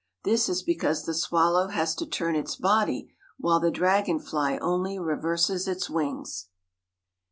This is because the swallow has to turn its body, while the dragonfly only reverses its wings.